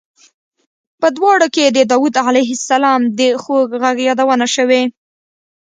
په دواړو کې د داود علیه السلام د خوږ غږ یادونه شوې.